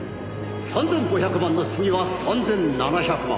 ３５００万の次は３７００万」